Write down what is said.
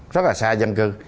rất là xa dân cư